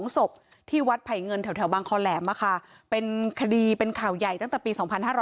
๒ศพที่วัดไผ่เงินแถวบางคอแหลมเป็นคดีเป็นข่าวใหญ่ตั้งแต่ปี๒๕๕๙